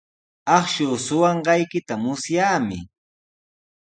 Akshuu suqanqaykita musyaami.